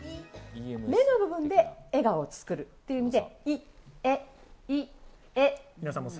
目の部分で笑顔を作るということで。